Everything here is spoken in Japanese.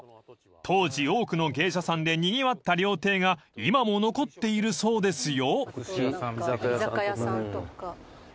［当時多くの芸者さんでにぎわった料亭が今も残っているそうですよ］